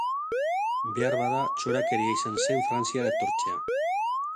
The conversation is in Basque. Beharbada txorakeria izan zen Frantziara etortzea.